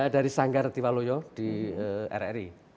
dari sanggar tiwaloyo di rri